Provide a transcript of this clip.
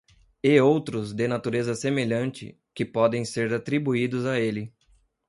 E outros, de natureza semelhante, que podem ser atribuídos a ele.